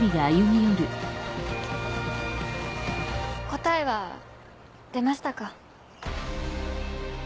答えは出ましたか？